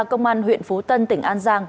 công an huyện phú tân tỉnh an giang